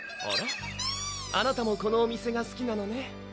あらあなたもこのお店がすきなのね